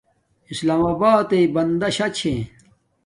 اسلام آباتݵ بندہ شا چھے